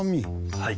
はい。